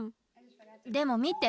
でも見て。